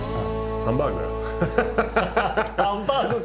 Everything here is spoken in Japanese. ハンバーグ！